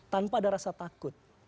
tanpa ada rasa takut